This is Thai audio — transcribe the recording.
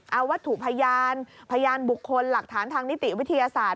เอาวัตถุพยานพยานบุคคลหลักฐานทางนิติวิทยาศาสตร์